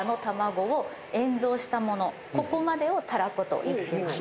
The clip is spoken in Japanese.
ここまでをタラコと言ってます。